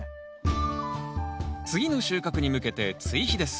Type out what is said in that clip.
次の収穫に向けて追肥です。